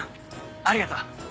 ありがとう。